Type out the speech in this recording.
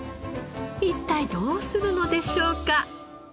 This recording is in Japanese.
一体どうするのでしょうか？